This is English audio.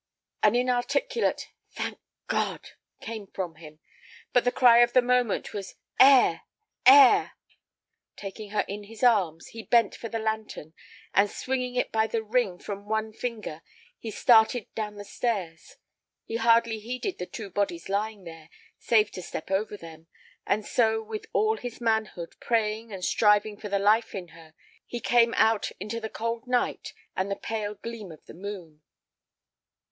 An inarticulate "Thank God!" came from him, but the cry of the moment was "Air! air!" Taking her in his arms, he bent for the lantern, and swinging it by the ring from one finger, he started down the stairs. He hardly heeded the two bodies lying there, save to step over them, and so, with all his manhood praying and striving for the life in her, he came out into the cold night air and the pale gleam of the moon.